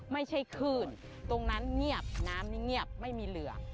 ไม่ใช่คลื่นตรงนั้นเงียบน้ำนี่เงียบไม่มีเหลือ